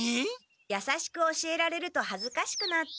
やさしく教えられるとはずかしくなって。